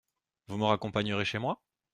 Vous me raccompagnerez chez moi ?